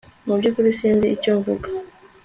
Mu byukuri sinzi icyo mvuga